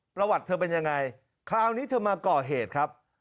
ประวัติเธอเป็นยังไงคราวนี้เธอมาก่อเหตุครับ